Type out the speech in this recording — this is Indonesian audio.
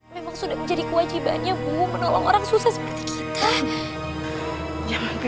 jangan lakukan itu nisanak